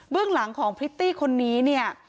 เบื้องหลังของพริตตี้คนนี้